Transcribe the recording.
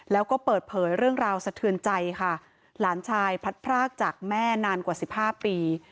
แล้วก็เปิดเผยเรื่องราวสะเทือนใจค่ะหลานชายพัดพรากจากแม่นานกว่าสิบห้าปี